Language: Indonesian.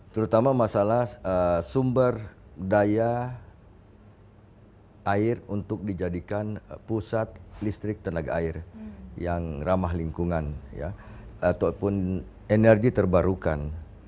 terutama masalah sumber daya air untuk dijadikan pusat listrik tenaga air yang ramah lingkungan ataupun energi terbarukan